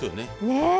ねえ。